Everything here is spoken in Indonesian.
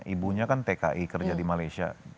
ibunya kan tki kerja di malaysia